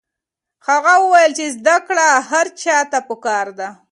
هغه وویل چې زده کړه هر چا ته پکار ده.